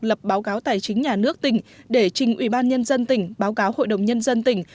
lập báo cáo tài chính nhà nước tỉnh để trình ubnd tỉnh báo cáo hội đồng nhân dân tỉnh